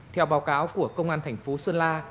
theo báo cáo của công an thành phố sơn la